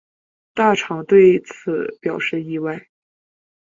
大场对此表示意外。